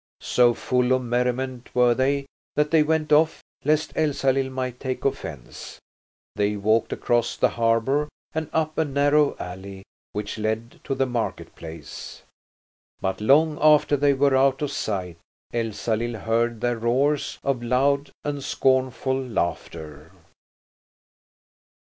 So full of merriment were they that they went off, lest Elsalill might take offence. They walked across the harbour and up a narrow alley which led to the market place. But long after they were out of sight Elsalill heard their roars of loud and scornful laughter.